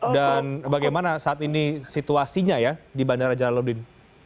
dan bagaimana saat ini situasinya ya di bandara jalan ludin